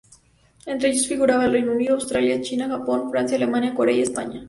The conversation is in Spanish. Entre ellos figuran el Reino Unido, Australia, China, Japón, Francia, Alemania, Corea y España.